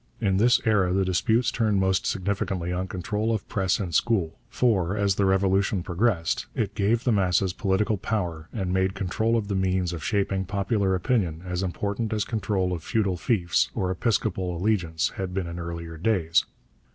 In this era the disputes turned most significantly on control of press and school, for, as the revolution progressed, it gave the masses political power and made control of the means of shaping popular opinion as important as control of feudal fiefs or episcopal allegiance had been in earlier days.